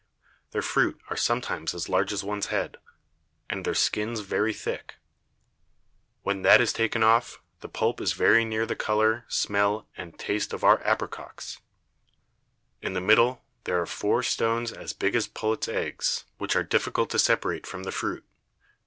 Their Fruit are sometimes as large as one's Head, and their Skins very thick: When that is taken off, the Pulp is very near the Colour, Smell, and Taste of our Apricocks; in the Middle there are four Stones as big as Pullets Eggs, which are difficult to separate from the Fruit.